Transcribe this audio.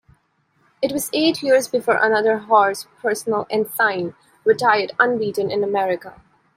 It was eighty years before another horse, Personal Ensign, retired unbeaten in America.